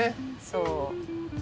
そう。